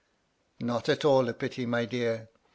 " Not at all a pity, my dear.